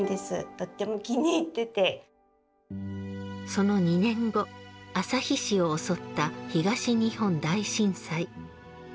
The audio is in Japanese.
その２年後旭市を襲った東日本大震災。